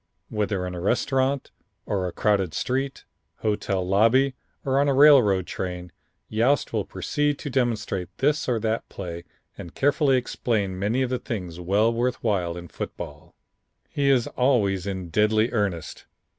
Whether in a restaurant or a crowded street, hotel lobby or on a railroad train, Yost will proceed to demonstrate this or that play and carefully explain many of the things well worth while in football. He is always in deadly earnest.